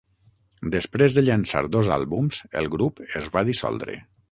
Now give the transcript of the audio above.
Després de llançar dos àlbums, el grup es va dissoldre.